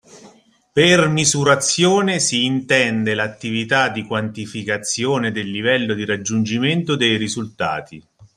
Per misurazione si intende l'attività di quantificazione del livello di raggiungimento dei risultati